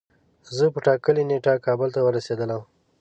زه په ټاکلی نیټه کابل ته ورسیدلم